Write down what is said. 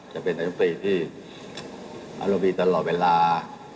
จะเป็นปีที่อร่อยมีตลอดเวลา